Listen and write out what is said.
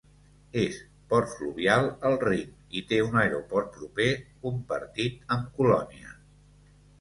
És port fluvial al Rin i té un aeroport proper compartit amb Colònia.